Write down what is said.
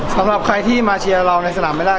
สำหรับใครที่มาเชียร์เราในสนามไม่ได้